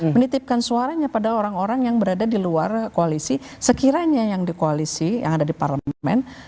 menitipkan suaranya pada orang orang yang berada di luar koalisi sekiranya yang di koalisi yang ada di parlemen